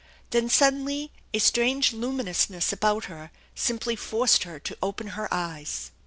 Then suddenly a strange luminousness about her simply forced her to open her eyes.